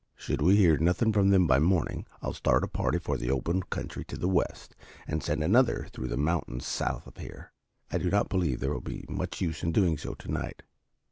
"Should we hear nothing from them by morning I'll start a party for the open country to the west, and send another through the mountains south of here. I do not believe there will be much use in doing so to night.